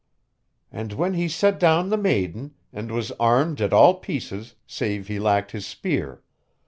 And then he set down the maiden, and was armed at all pieces save he lacked his spear.